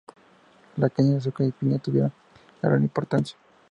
La caña de azúcar y piña tuvieron gran importancia.